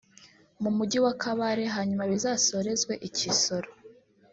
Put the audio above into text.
mu mujyi wa Kabale hanyuma bizasorezwe i Kisoro